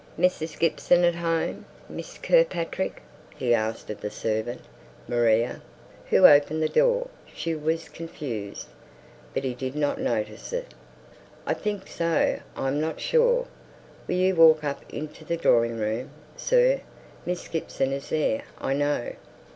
"Mrs. Gibson at home? Miss Kirkpatrick?" he asked of the servant, Maria, who opened the door. She was confused, but he did not notice it. "I think so I'm not sure! Will you walk up into the drawing room, sir? Miss Gibson is there, I know."